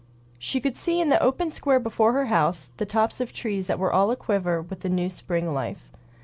She could see in the open square before her house the tops of trees that were all aquiver with the new spring life.